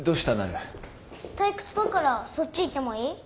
退屈だからそっち行ってもいい？